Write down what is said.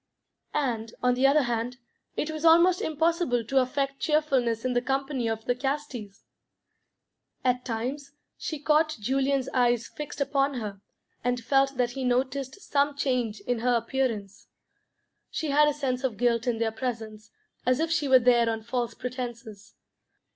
And, on the other hand, it was almost impossible to affect cheerfulness in the company of the Castis. At times she caught Julian's eyes fixed upon her, and felt that he noticed some change in her appearance. She had a sense of guilt in their presence, as if she were there on false pretences.